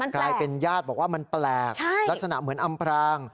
กลายเป็นญาติบอกว่ามันแปลกลักษณะเหมือนอำพราง